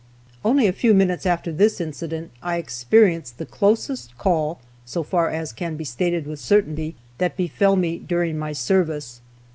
Only a few minutes after this incident I experienced the closest call (so far as can be stated with certainty) that befell me during my service.